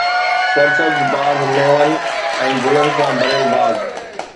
سرسبز باغ، ميون ۽ گلن سان ڀريل باغ